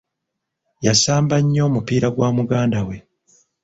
Yasamba nnyo omupiira gwa muganda we.